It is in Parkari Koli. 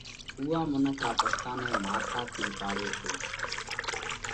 اُوئا منک را پٽڪا نئہ ماٿا ٿِي پاڙيو هٺو۔